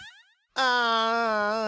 ああ。